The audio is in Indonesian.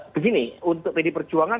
begini untuk pdip perjuangan